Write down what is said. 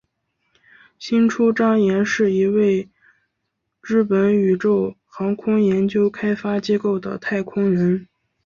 星出彰彦是一位日本宇宙航空研究开发机构的太空人。